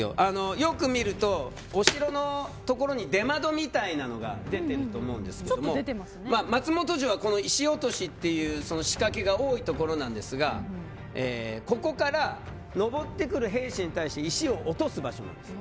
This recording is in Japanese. よく見るとお城のところに出窓みたいなのが出てると思うんですけど松本城は石落としという仕掛けが多いところなんですがここから上ってくる兵士に対して石を落とす場所なんです。